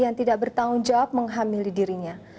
yang tidak bertanggung jawab menghamili dirinya